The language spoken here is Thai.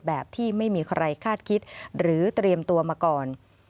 แบบที่ไม่มีใครคาดคิดหรือเตรียมตัวมาก่อน